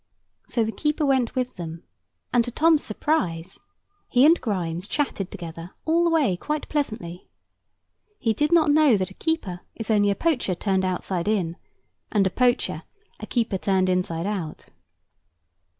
So the keeper went with them; and, to Tom's surprise, he and Grimes chatted together all the way quite pleasantly. He did not know that a keeper is only a poacher turned outside in, and a poacher a keeper turned inside out.